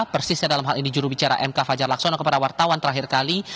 persisnya dalam hal ini jurubicara mk fajar laksono kepada wartawan terakhir kali